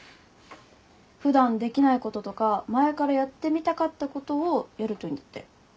普段できないこととか前からやってみたかったことをやるといいんだって。